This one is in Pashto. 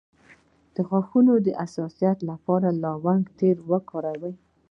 د غاښونو د حساسیت لپاره د لونګ تېل وکاروئ